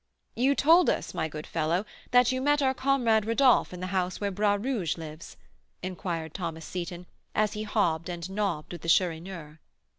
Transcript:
"You told us, my good fellow, that you met our comrade Rodolph in the house where Bras Rouge lives?" inquired Thomas Seyton, as he hob and nobbed with the Chourineur.